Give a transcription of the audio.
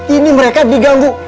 ini mereka diganggu